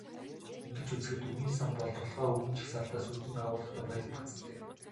Ингэж үзэхэд, үгийн сан бол толгой үгийн жагсаалтаас өргөн агуулгатай, баялаг бүтэцтэй юм.